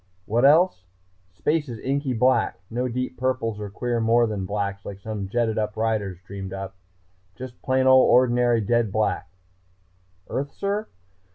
What else?... Space is inky black no deep purples or queer more than blacks like some jetted up writers dreamed up just plain old ordinary dead black. Earth, sir?...